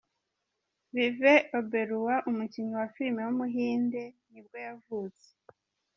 Vivek Oberoi, umukinnyi wa filime w’umuhinde nibwo yavutse.